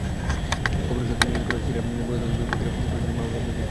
খবরের সত্যতা নিশ্চিত করেছেন সিরিয়ার পুরাতত্ত্ব বিভাগের পরিচালক মামুন আবদুল করিম।